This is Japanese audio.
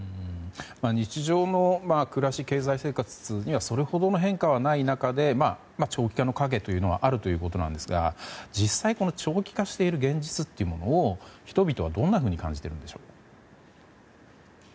日常の暮らしや経済生活にはそれほどの変化はない中で長期化の影というのはあるということなんですが実際、長期化している現実を人々はどう感じているんでしょう。